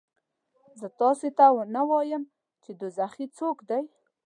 زه تاسې ته ونه وایم چې دوزخي څوک دي؟